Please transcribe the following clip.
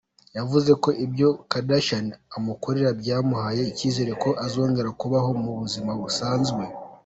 Yavuze ko ibyo Kardashian amukorera byamuhaye icyizere ko azongera kubaho mu buzima busanzwe.